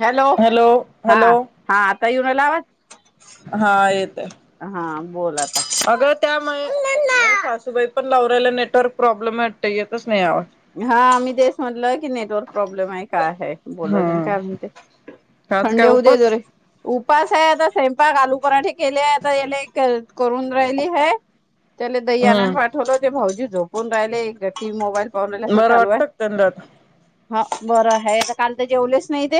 Hello हा हा आता यूव राहिला आवज हा येत आहे हा बोल आता सासूबाई पण लावलेत नेटवर्क प्रॉब्लेम वाटत नाही आवाज हा मी तेच म्हटले की नेटवर्क प्रॉब्लेम आहे काय आहे बोललेण काम हम्म ते आज थंड काय हो दे उपास जरा उप उवपास आहे आता स्वयंपाक आलू पराठे केले आता याले करून राहिली ह त्याले द्यानंद हम्म पाठवलं ते भाऊजी झोपून राहिले गठी मोबाईल ल अस बरं चालू आहे वाटत त्यांना आता हा बरं आहे तर काल तर जेवलेच नाही ते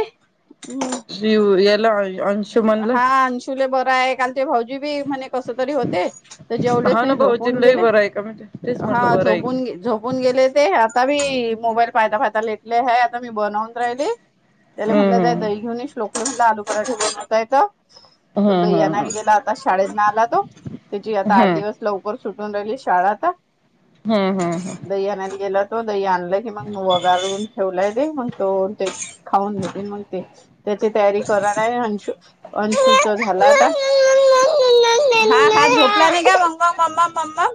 हम् शिव याला अंशुमनला हा अनशुले बर आहे काल ते भाऊजी बी म्हणे कस तरी होते तर जेवलेच हा ना नाही झोपून भाऊजींलाही गेले बरं आहे का म्हणजे तेच हा म्हटलं बरं आहे की झोून झोपून गेले ते आता बी मोबाईल पाहता पाहता लेटले ह आता मी बनवून राहिली त्याला म्हटलं जाय हम्म दही घेऊनश लोकड म्हलं आलू पराठे बनतायेत हम्म तो दही आणायला हम्म गेला आता शाळेत ना आला तो त्याची हम्म आता आठ हम्म दिवस लवकर सुटून राहिली शाळा आता हम् हम् हम दही आणायला गेला तो दही आणलं की मग वगारून ठेवलाय दे मग तो ते खाऊन घेते मग ते त्याची तयारी करणार आहे अंशु अंशुच झाला आता हम्म हा हा झोपला नाही का मग मग मम् मम्मा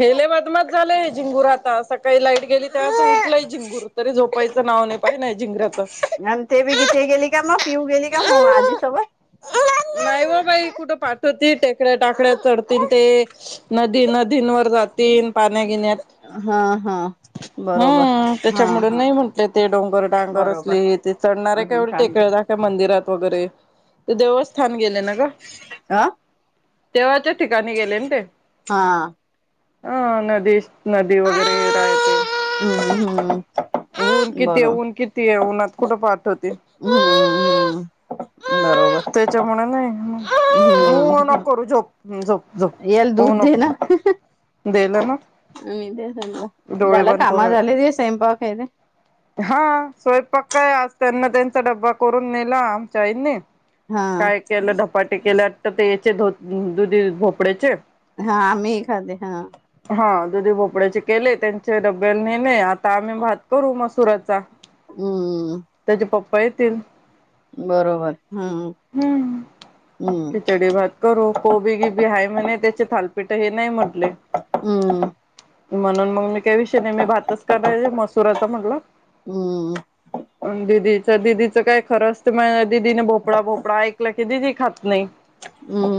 हेले बदमात झालेय झिंगूर आता सकाळी लाईट गेली तेव्हा उकलंय झिंगूर तरी झोपायच अ ते ब गीते गेल का म पिऊ गेली हो आज सबळ कुठ पाठवती टेकड्या टाकड्या चढ ते नदी नदीवर जातीन पाण्या गिन्यात हा हा बरोबर हा हा नाही म्हटले ते डोंगर डांगर बरोबर असले ते चढणारे का अजून एवढे थांबली. टेकड्या टाक्या मंदिरात देवस्थान गेले ना ग अ तेव्हाहा ठिकाणी गेले ना ते हा अ नदीश, नदी वगैरे रायते. हम्म हम्म ऊन किती बरो ऊन किती ऊनत कुठं पाहतवते. हम्म हम्म बरोबर तेच्यामुणे नाहीका, हो न हम्म करू झोप झप झोप याल हो दूध नक देल ना. ते स डोळे झालं बंद कामा झाले करून ते स्वयंपाक आहे ते. हा स्वयंपाक काय आज त्यांना त्यांचा डब्बा करून नेला आमच्याईनी. हा काय केलं धपाटे केलंता ते याचे ध दुधी भोपड्याचे. हा आम्ही एखादी हा. हा दुधी भोपड्याचे केले त्यांचे डब्या नेणे आता आम्ही भात करू मसुराचा. हम्म! प येतील बरोबर! हम्म हम्म हम्म खिचडी भात करू कोबी गी बी आहेय म्हणे त्याचे थाल. पिठ हे नाही म्हटले. हम्म म्हणून मग मी काही विषय नाही मी भातच कराय मसुराचा म्हटलं. हम्म दिदीच दिदीचं काय खरं असतं म दिदीने ब फपडा फोपडा ऐकला खी द ती खात नाही.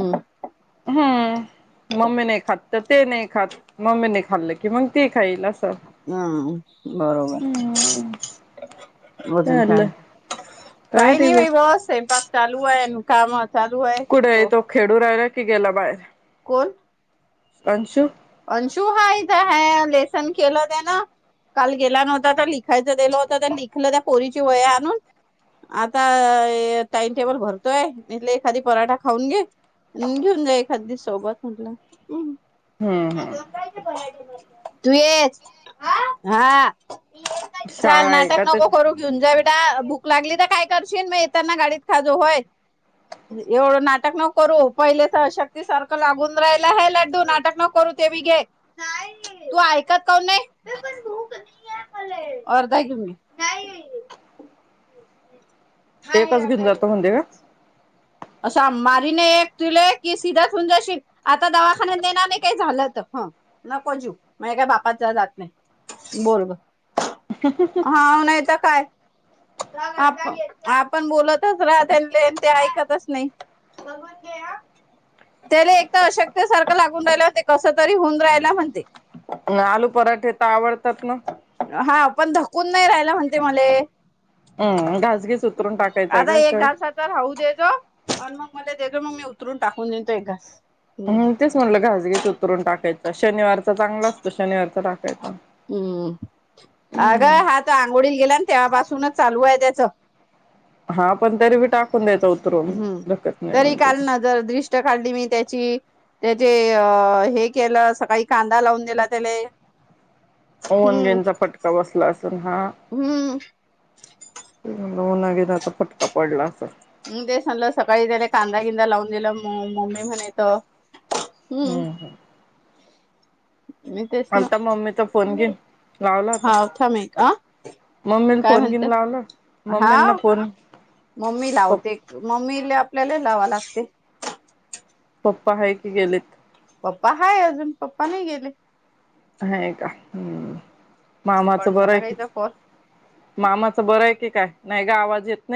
ह. हम्म! मम्मी नाही खात तर ते नाही खात मम्मीने खाल्लं की मग ती खाईल असं. हम्म बरोबर! वजून चालं काते काय काही बाई. नाही बा बसपाक चालू आहे कामात. कुठे तो खेडू राहिला की गेला बाहेर. कोण? अंशु अंशू हा इथ ह लेसन केलं नाय ना. काल गेला नव्हता तर लिखायचं गेलं होतं तर लिखलं त्या पोरीची वया आणून. आता टाइमटेबल भरतोय म्हले एखादी पराठा खाऊन घे. घेऊन जाई एखादी सोबत म्हटलं, हम्म हम्म. तू येस हा चल शाळा आहे नाटक का ते नको करू घेऊन जावे. ता भूक लागली तर काय करशील मग येताना गाडीत खाजो होय. एवढं नाटक न करू पहिले सशक्ती सारखं लागून राहिला ह लड्डू नाटक न करू. ते बी घे नाही तू ऐकत काऊन नाही पण अर्धाघुन घे एकच घेऊन जातो म्हणतेे का? असां मारीन एक तुले की सिधाच होऊन जाशील आता दवाखान्या नेणार नाही काही झालं तर. ह नको जू मे काय बापचा जात नाही बोल ग. हा नाही तर काय. आप आपण बोलतच राह त्याने ते ऐकतच. नाही बघून घे हा. त्याला एक तर अशकत्यासारखं लागून राहिला म्हते कस तरी होऊन राहिला म्हणते. आलू पराठे तर आवडतात ना? हा पण धकून नाही राहाला म्हणते मले. हम्म घासगीस उतरून टाकायचा आता का श एक घसा तर होऊ देतो, आन मग मले देजो मग मी उतरून टाकून निन तो एक घास. हम्म हम तेच म्हटलं घाासघिस उतरून टाकायचं शनिवारचा चांगला असतो शनिवारचा टाक हम्म, अगं हा हम्म तर आंघोळीला गेला तेव्हापासूनच चालू आहे त्याचं. हा पण तरी बी टाक हम्म, तरी काल नजर दृष्ट काढली मी त्याची त्याचे अ हे केलं सकाळी कांदा लावून दिला तेले. ओमनगेंचा फटका बसला असल हा हम्म [unintelligible] फटका पडला असल म तेच म्हणलं सकाळी त्याने कांदा किंदा लावून दिलं म मी म्हणे त हम्म मी तेच ना आलता मम्मीचा फोन घे. लावला होता, हा थांब एक अ मम्मीनं काय फोन घिन म्हणते लावला? हा मम्मींना फोन मम्मी लावते मम्मीला आपल्याला लावा लागते पप्पा आहे की गेलेत पप्पा हाय अजून पप्पा नाही गेले हाय का? हम्म कट मामाचं बरं झाला आहे का की, हिचा कॉल? मामाचं बरं आहे की काय? नाही गं आवाज येत नाही.